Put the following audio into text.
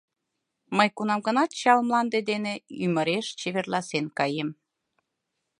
Мый кунам-гынат чал мланде дене Ӱмыреш чеверласен каем.